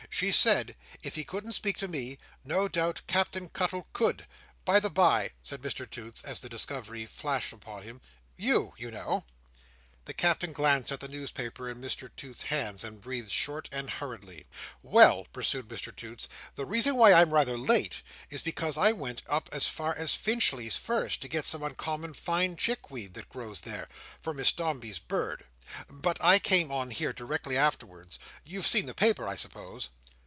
She said, if he couldn't speak to me, no doubt Captain Cuttle could. By the bye!" said Mr Toots, as the discovery flashed upon him, "you, you know!" The Captain glanced at the newspaper in Mr Toots's hand, and breathed short and hurriedly. "Well," pursued Mr Toots, "the reason why I'm rather late is, because I went up as far as Finchley first, to get some uncommonly fine chickweed that grows there, for Miss Dombey's bird. But I came on here, directly afterwards. You've seen the paper, I suppose?"